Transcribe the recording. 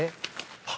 あっ！